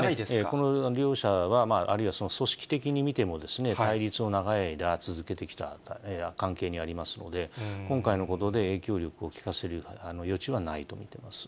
この両者は、あるいは組織的に見ても、対立を長い間続けてきた関係にありますので、今回のことで影響力をきかせる余地はないと見ています。